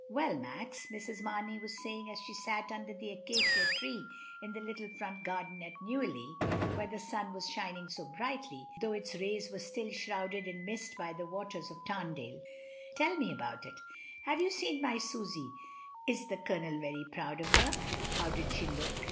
"Well, Max!" Mrs. Marney was saying, as she sat under die acacia tree in the little front garden at Neuilly (where the sun was shining so brightly, though its rays were still shrouded in mist by the 26o MRS. DYMOND. waters of Tamdale), "tell me all about it Have you seen my Susy? Is the Colonel very proud of her? How did she look?